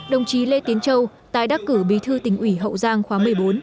đồng chí lê tiến châu tái đắc cử bí thư tỉnh ủy hậu giang khóa một mươi bốn